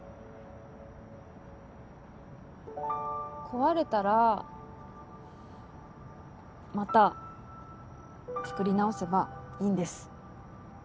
壊れたらまた作り直せばいいんです。